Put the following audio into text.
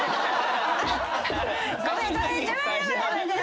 ごめんごめん。